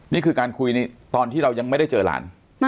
นี่คือการคุยตอนที่เรายังไม่ได้เจอหลาน